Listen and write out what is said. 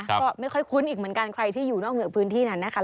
ก็ไม่ค่อยคุ้นอีกเหมือนกันใครที่อยู่นอกเหนือพื้นที่นั้นนะคะ